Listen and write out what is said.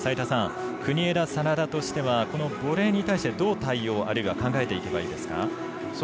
国枝、眞田としてはこのボレーに対してどう対応、あるいは考えていけばいいですか。